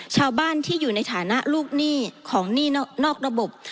ชาวบ้านที่อยู่ในฐานะลูกหนี้ของหนี้นอกระบบ